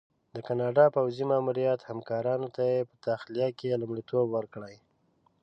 د کاناډا پوځي ماموریت همکارانو ته یې په تخلیه کې لومړیتوب ورکړی.